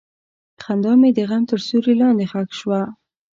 خندا مې د غم تر سیوري لاندې ښخ شوه.